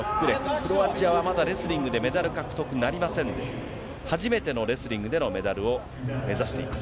クロアチアはまだレスリングでメダル獲得なりませんで、初めてのレスリングでのメダルを目指しています。